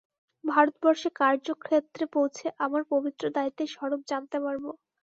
ভারতবর্ষে কার্যক্ষেত্রে পৌঁছে আমার পবিত্র দায়িত্বের স্বরূপ জানতে পারব।